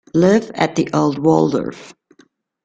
Live at the Old Waldorf